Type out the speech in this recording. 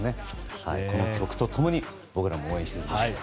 この曲と共に僕らも応援していきましょう。